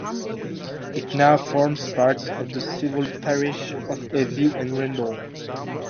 It now forms part of the civil parish of Evie and Rendall.